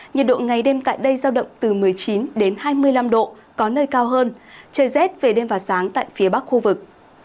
nhiệt độ ngày đêm tại đây giao động từ một mươi chín đến hai mươi năm độ có nơi cao hơn trời rét về đêm và sáng tại phía bắc khu vực